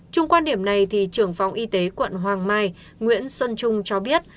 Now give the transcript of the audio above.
trung quan điểm này trưởng phòng y tế quận hoàng mai nguyễn xuân trung cho biết